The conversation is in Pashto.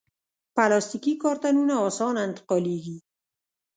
پلاستيکي کارتنونه اسانه انتقالېږي.